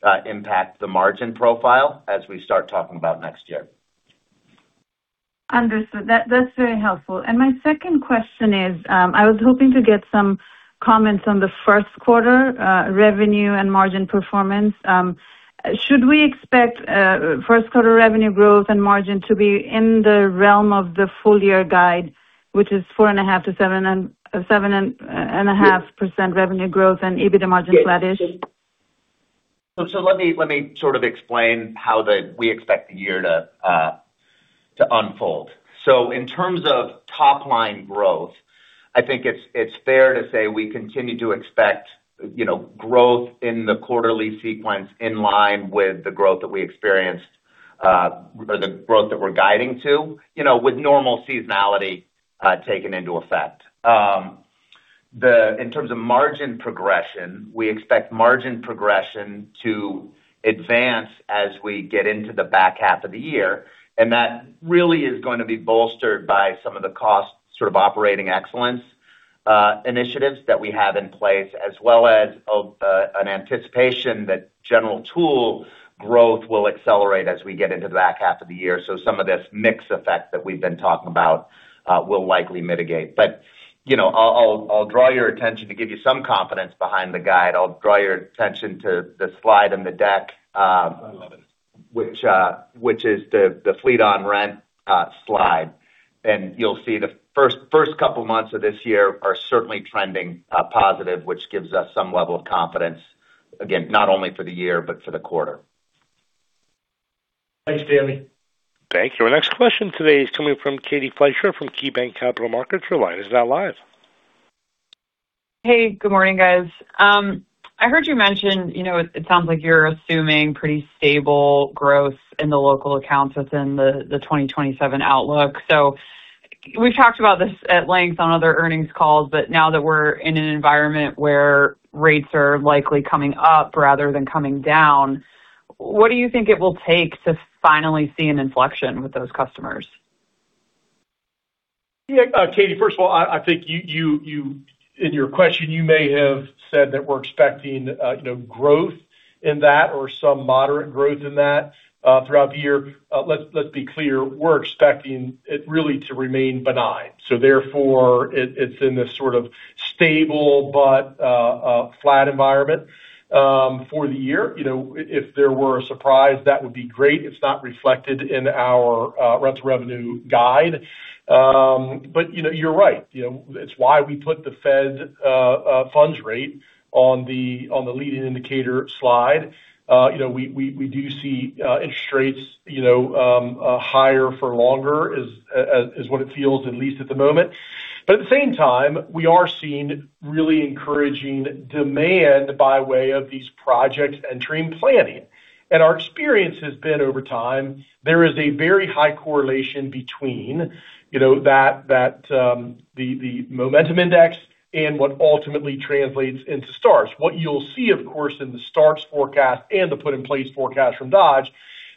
also impact the margin profile as we start talking about next year. Understood. That's very helpful. My second question is, I was hoping to get some comments on the first quarter revenue and margin performance. Should we expect first quarter revenue growth and margin to be in the realm of the full year guide, which is 4.5%-7.5% revenue growth and EBITDA margin flattish? Let me sort of explain how we expect the year to unfold. In terms of top-line growth, I think it's fair to say we continue to expect growth in the quarterly sequence in line with the growth that we experienced, or the growth that we're guiding to with normal seasonality taken into effect. In terms of margin progression, we expect margin progression to advance as we get into the back half of the year. That really is going to be bolstered by some of the cost sort of operating excellence initiatives that we have in place, as well as an anticipation that general tool growth will accelerate as we get into the back half of the year. Some of this mix effect that we've been talking about will likely mitigate. I'll draw your attention to give you some confidence behind the guide. I'll draw your attention to the slide in the deck. Slide 11 Which is the fleet on rent slide. You'll see the first couple of months of this year are certainly trending positive, which gives us some level of confidence, again, not only for the year but for the quarter. Thanks, Tami. Thank you. Our next question today is coming from Katie Fleischer from KeyBanc Capital Markets. Your line is now live. Hey, good morning, guys. I heard you mention, it sounds like you're assuming pretty stable growth in the local accounts within the 2027 outlook. We've talked about this at length on other earnings calls, but now that we're in an environment where rates are likely coming up rather than coming down, what do you think it will take to finally see an inflection with those customers? Yeah, Katie, first of all, I think in your question, you may have said that we're expecting growth in that or some moderate growth in that throughout the year. Let's be clear. We're expecting it really to remain benign. Therefore, it's in this sort of stable but flat environment for the year. If there were a surprise, that would be great. It's not reflected in our rental revenue guide. You're right. It's why we put the Fed funds rate on the leading indicator slide. We do see interest rates higher for longer is what it feels, at least at the moment. At the same time, we are seeing really encouraging demand by way of these projects entering planning. Our experience has been over time, there is a very high correlation between the momentum index and what ultimately translates into starts. What you'll see, of course, in the starts forecast and the put in place forecast from Dodge,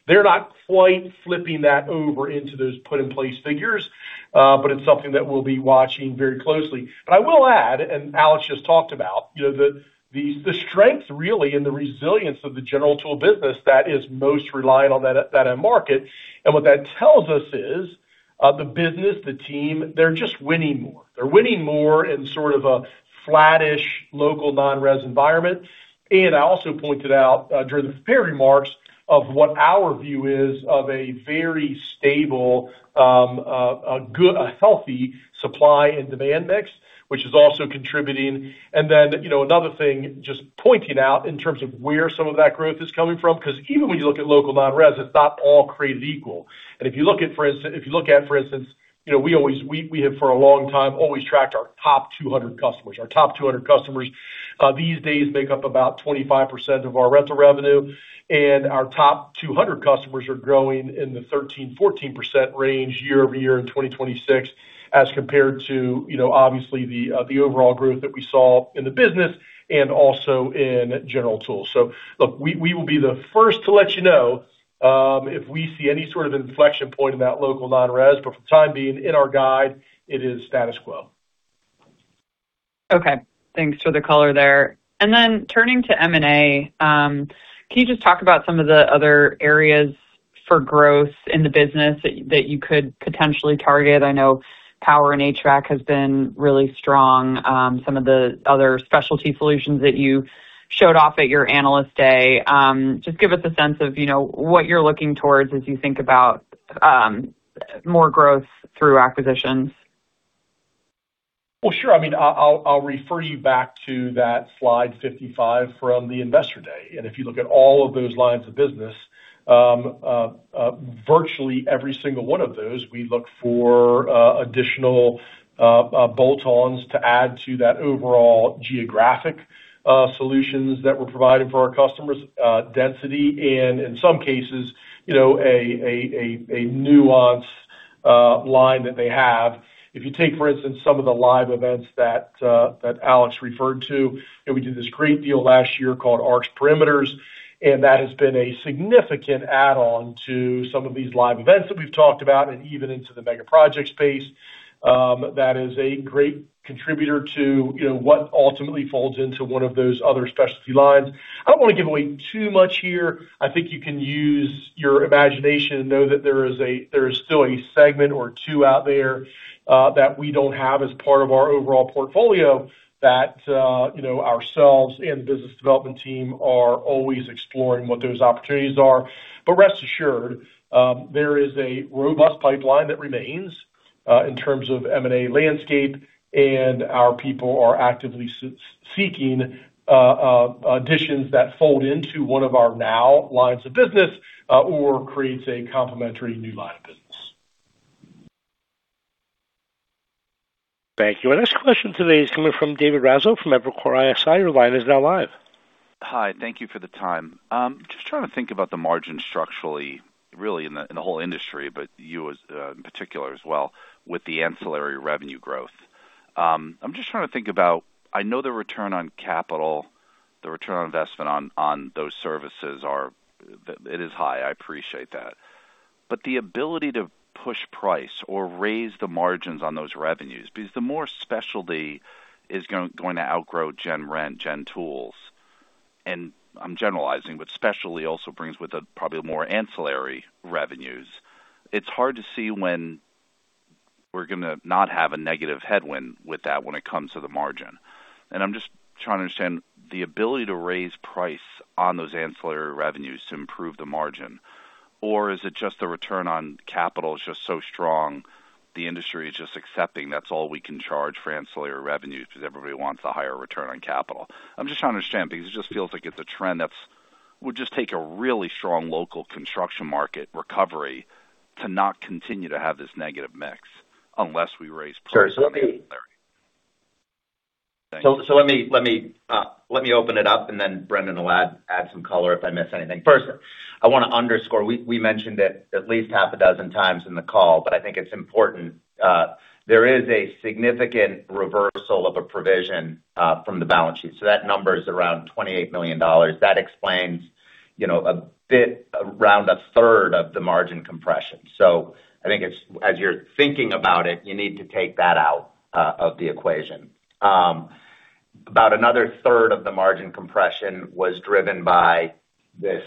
they're not quite flipping that over into those put in place figures, but it's something that we'll be watching very closely. I will add, and Alex just talked about, the strength really and the resilience of the general tool business that is most reliant on that end market. What that tells us is the business, the team, they're just winning more. They're winning more in sort of a flattish local non-res environment. I also pointed out during the prepared remarks of what our view is of a very stable, a healthy supply and demand mix, which is also contributing. Another thing, just pointing out in terms of where some of that growth is coming from, because even when you look at local non-res, it's not all created equal. If you look at, for instance, we have for a long time always tracked our top 200 customers. Our top 200 customers these days make up about 25% of our rental revenue, and our top 200 customers are growing in the 13%-14% range year-over-year in 2026 as compared to obviously the overall growth that we saw in the business and also in general tools. Look, we will be the first to let you know if we see any sort of inflection point in that local non-res. For the time being in our guide, it is status quo. Okay. Thanks for the color there. Turning to M&A, can you just talk about some of the other areas for growth in the business that you could potentially target? I know power and HVAC has been really strong. Some of the other specialty solutions that you showed off at your Investor Day. Just give us a sense of what you're looking towards as you think about more growth through acquisitions. Well, sure. I'll refer you back to that slide 55 from the Investor Day. If you look at all of those lines of business, virtually every single one of those, we look for additional bolt-on to add to that overall geographic solutions that we're providing for our customers, density, and in some cases, a nuanced line that they have. If you take, for instance, some of the live events that Alex referred to, we did this great deal last year called ARX Perimeters, that has been a significant add-on to some of these live events that we've talked about and even into the mega project space. That is a great contributor to what ultimately folds into one of those other specialty lines. I don't want to give away too much here. I think you can use your imagination know that there is still a segment or two out there that we don't have as part of our overall portfolio that ourselves and business development team are always exploring what those opportunities are. Rest assured, there is a robust pipeline that remains in terms of M&A landscape, our people are actively seeking additions that fold into one of our now lines of business or creates a complementary new line of business. Thank you. Our next question today is coming from David Raso from Evercore ISI. Your line is now live. Hi, thank you for the time. Trying to think about the margin structurally, really in the whole industry, but U.S. in particular as well, with the ancillary revenue growth. Trying to think about, I know the return on capital, the return on investment on those services it is high. I appreciate that. The ability to push price or raise the margins on those revenues, because the more specialty is going to outgrow gen rent, gen tools, and I'm generalizing, but specialty also brings with it probably more ancillary revenues. It's hard to see when we're going to not have a negative headwind with that when it comes to the margin. Trying to understand the ability to raise price on those ancillary revenues to improve the margin. Is it just the return on capital is just so strong, the industry is just accepting that's all we can charge for ancillary revenues because everybody wants the higher return on capital? Trying to understand, because it just feels like it's a trend that would just take a really strong local construction market recovery to not continue to have this negative mix unless we raise prices on the ancillary. Thanks. Let me open it up and then Brendan will add some color if I miss anything. First, I want to underscore, we mentioned it at least half a dozen times in the call, but I think it's important. There is a significant reversal of a provision from the balance sheet. That number is around $28 million. That explains around a third of the margin compression. I think as you're thinking about it, you need to take that out of the equation. About another third of the margin compression was driven by this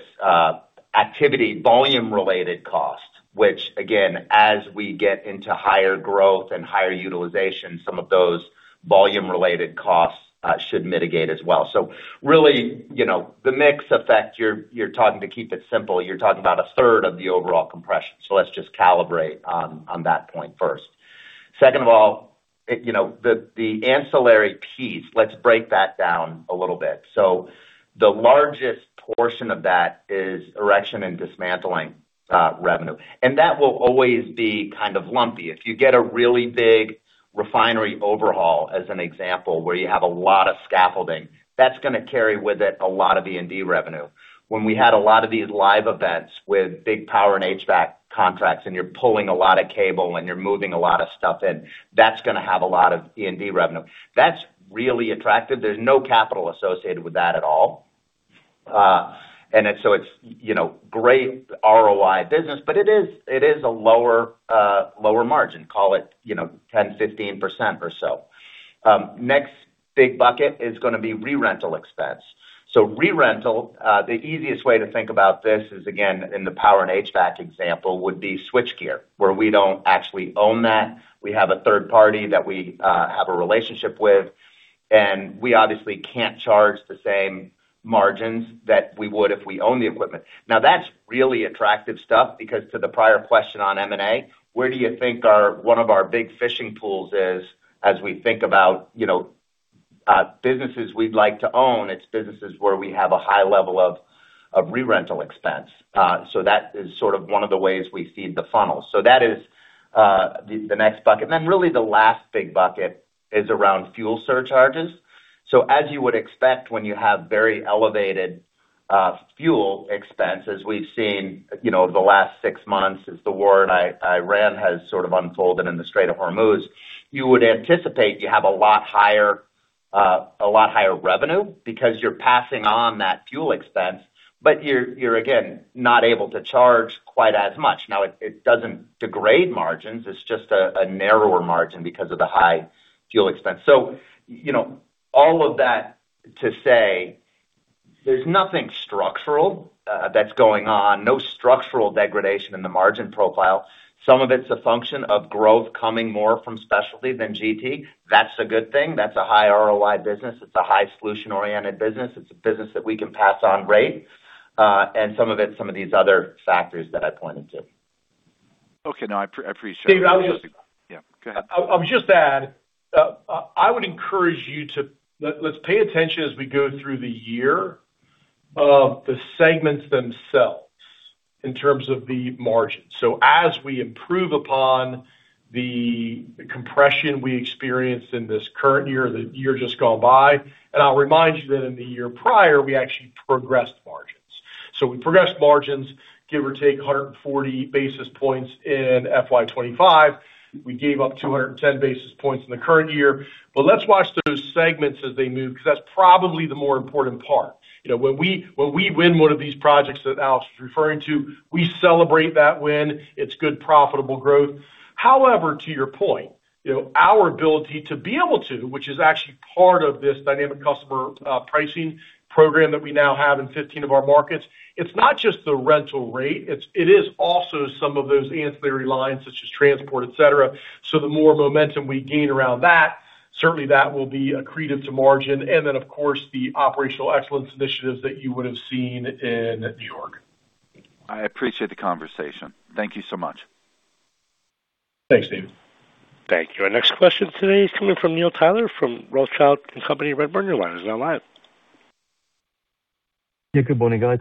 activity volume related cost, which again, as we get into higher growth and higher utilization, some of those volume related costs should mitigate as well. Really, the mix effect, you're talking to keep it simple, you're talking about a third of the overall compression. Let's just calibrate on that point first. Second of all, the ancillary piece, let's break that down a little bit. The largest portion of that is erection and dismantling revenue. That will always be kind of lumpy. If you get a really big refinery overhaul, as an example, where you have a lot of scaffolding, that's going to carry with it a lot of E&D revenue. When we had a lot of these live events with big power and HVAC contracts, and you're pulling a lot of cable and you're moving a lot of stuff in, that's going to have a lot of E&D revenue. That's really attractive. There's no capital associated with that at all. It's great ROI business, but it is a lower margin, call it 10%-15% or so. Next big bucket is going to be re-rental expense. Re-rental, the easiest way to think about this is again, in the power and HVAC example, would be switchgear, where we don't actually own that. We have a third party that we have a relationship with, and we obviously can't charge the same margins that we would if we own the equipment. Now that's really attractive stuff because to the prior question on M&A, where do you think one of our big fishing pools is as we think about businesses we'd like to own? It's businesses where we have a high level of re-rental expense. That is sort of one of the ways we feed the funnel. That is the next bucket. Really the last big bucket is around fuel surcharges. As you would expect when you have very elevated fuel expense, as we've seen the last six months since the war in Iran has sort of unfolded in the Strait of Hormuz. You would anticipate you have a lot higher revenue because you're passing on that fuel expense, but you're again, not able to charge quite as much. It doesn't degrade margins. It's just a narrower margin because of the high fuel expense. All of that to say, there's nothing structural that's going on, no structural degradation in the margin profile. Some of it's a function of growth coming more from specialty than GT. That's a good thing. That's a high ROI business. It's a high solution-oriented business. It's a business that we can pass on rates. Some of it's some of these other factors that I pointed to. Okay. No, I appreciate it. David. Yeah, go ahead. I'll just add. I would encourage you to, let's pay attention as we go through the year of the segments themselves in terms of the margins. As we improve upon the compression we experienced in this current year, the year just gone by, and I'll remind you that in the year prior, we actually progressed margins. We progressed margins, give or take 140 basis points in Fiscal Year 2025. We gave up 210 basis points in the current year. Let's watch those segments as they move, because that's probably the more important part. When we win one of these projects that Alex was referring to, we celebrate that win. It's good, profitable growth. However, to your point, our ability to be able to, which is actually part of this dynamic customer pricing program that we now have in 15 of our markets. It's not just the rental rate. It is also some of those ancillary lines such as transport, et cetera. The more momentum we gain around that, certainly that will be accretive to margin. Of course, the operational excellence initiatives that you would have seen in New York. I appreciate the conversation. Thank you so much. Thanks, David. Thank you. Our next question today is coming from Neil Tyler from Rothschild & Co. Redburn. Your line is now live. Good morning, guys.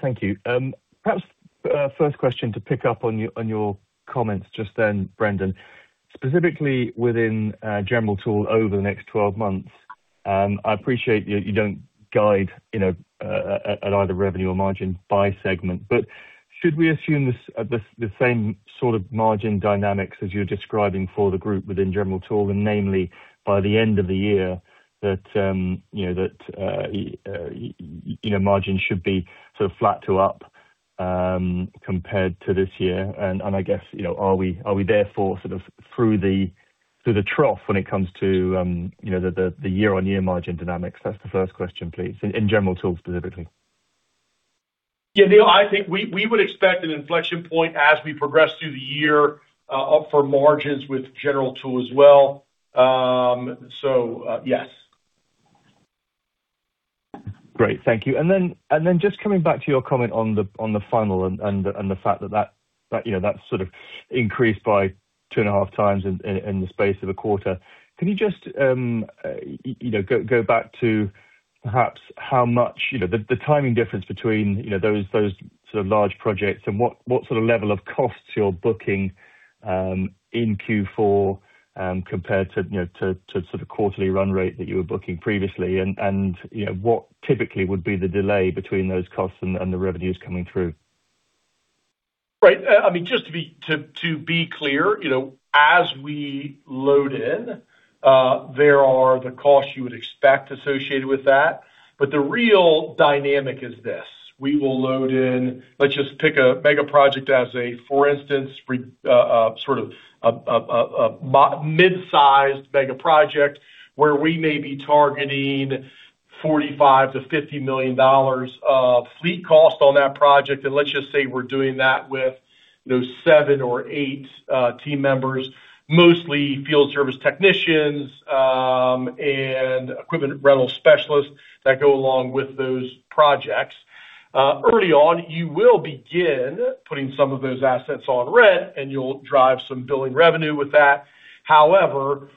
Thank you. Perhaps first question to pick up on your comments just then, Brendan, specifically within General Tool over the next 12 months, I appreciate that you don't guide at either revenue or margin by segment, but should we assume the same sort of margin dynamics as you're describing for the group within General Tool, and namely, by the end of the year that margins should be sort of flat to up compared to this year? I guess are we therefore sort of through the trough when it comes to the year-over-year margin dynamics? That's the first question, please. In General Tool specifically. Neil, I think we would expect an inflection point as we progress through the year up for margins with General Tool as well. Yes. Great. Thank you. Just coming back to your comment on the funnel and the fact that sort of increased by 2.5 times in the space of a quarter. Can you just go back to perhaps how much the timing difference between those sort of large projects and what sort of level of costs you're booking in Q4 compared to sort of quarterly run rate that you were booking previously? What typically would be the delay between those costs and the revenues coming through? Right. Just to be clear, as we load in, there are the costs you would expect associated with that. The real dynamic is this. We will load in, let's just pick a mega project as a, for instance, sort of a mid-sized mega project where we may be targeting $45 million to $50 million of fleet cost on that project, and let's just say we're doing that with those seven or eight team members, mostly field service technicians and equipment rental specialists that go along with those projects. Early on, you will begin putting some of those assets on rent, and you'll drive some billing revenue with that. However,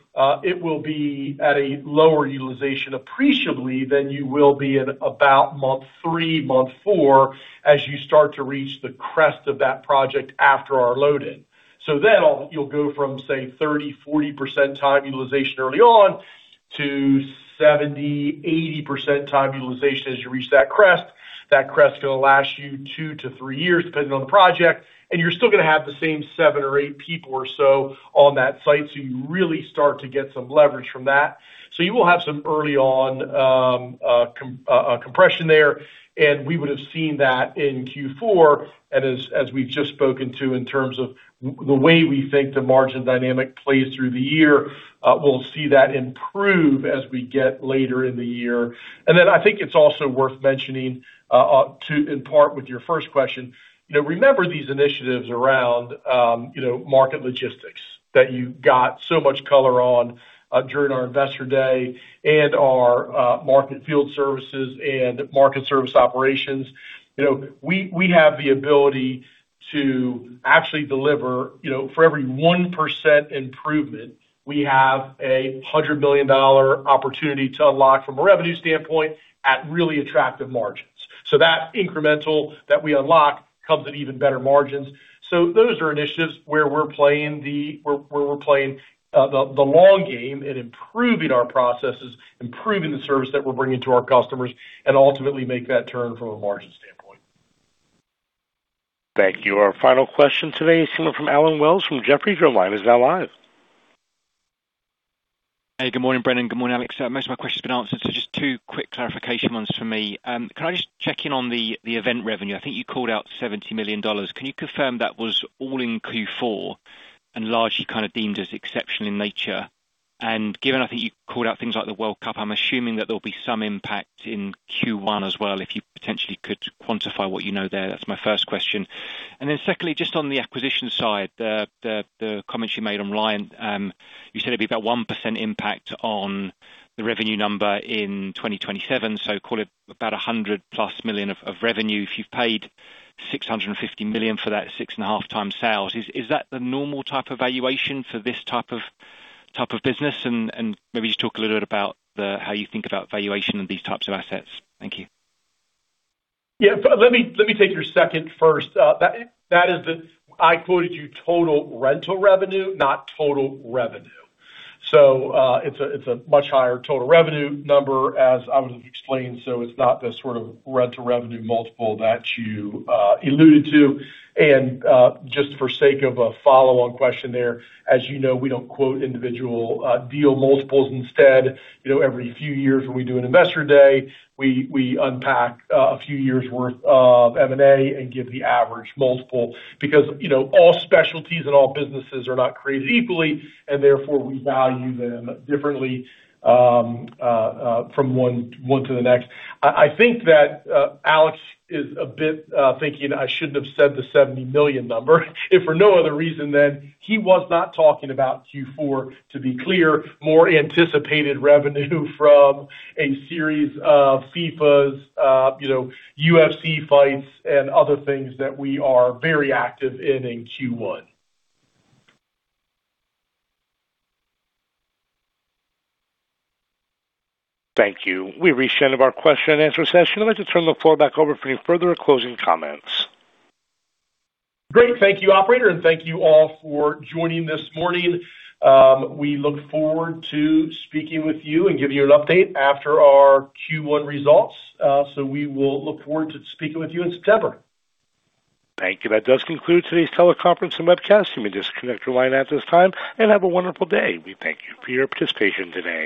it will be at a lower utilization appreciably than you will be in about month three, month four as you start to reach the crest of that project after our load-in. You'll go from, say, 30%-40% time utilization early on to 70%-80% time utilization as you reach that crest. That crest is going to last you two to three years, depending on the project. You're still going to have the same seven or eight people or so on that site, so you really start to get some leverage from that. You will have some early on compression there, and we would have seen that in Q4. As we've just spoken to in terms of the way we think the margin dynamic plays through the year, we'll see that improve as we get later in the year. I think it's also worth mentioning, to impart with your first question, remember these initiatives around market logistics that you got so much color on during our Investor Day and our market field services and market service operations. We have the ability to actually deliver for every 1% improvement, we have a $100 million opportunity to unlock from a revenue standpoint at really attractive margins. That incremental that we unlock comes at even better margins. Those are initiatives where we're playing the long game and improving our processes, improving the service that we're bringing to our customers, and ultimately make that turn from a margin standpoint. Thank you. Our final question today is coming from Allen Wells from Jefferies. Your line is now live. Hey, good morning, Brendan. Good morning, Alex. Most of my question's been answered, so just two quick clarification ones for me. Can I just check in on the event revenue? I think you called out $70 million. Can you confirm that was all in Q4 and largely kind of deemed as exceptional in nature? Given, I think you called out things like the World Cup, I'm assuming that there'll be some impact in Q1 as well, if you potentially could quantify what you know there. That's my first question. Secondly, just on the acquisition side, the comments you made on Reliant. You said it'd be about 1% impact on the revenue number in 2027, so call it about $100+ million of revenue. If you've paid $650 million for that 6.5x sales, is that the normal type of valuation for this type of business? Maybe just talk a little bit about how you think about valuation in these types of assets. Thank you. Yeah. Let me take your second first. I quoted you total rental revenue, not total revenue. It's a much higher total revenue number as I would explained, it's not the sort of rental revenue multiple that you alluded to. Just for sake of a follow-on question there, as you know, we don't quote individual deal multiples instead. Every few years when we do an Investor Day, we unpack a few years' worth of M&A and give the average multiple because all specialties and all businesses are not created equally, and therefore we value them differently from one to the next. I think that Alex is a bit thinking I shouldn't have said the $70 million number if for no other reason than he was not talking about Q4 to be clear, more anticipated revenue from a series of FIFA, UFC fights, and other things that we are very active in in Q1. Thank you. We've reached the end of our question and answer session. I'd like to turn the floor back over for any further closing comments. Great. Thank you, operator, and thank you all for joining this morning. We look forward to speaking with you and giving you an update after our Q1 results. We will look forward to speaking with you in September. Thank you. That does conclude today's teleconference and webcast. You may disconnect your line at this time, and have a wonderful day. We thank you for your participation today.